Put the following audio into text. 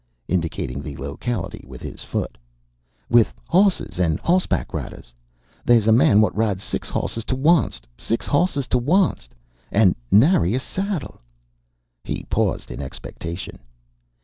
indicating the locality with his foot "with hosses, and hossback riders. They is a man wot rides six hosses to onct six hosses to onct and nary saddle" and he paused in expectation.